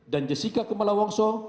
dan jessica kumala wongso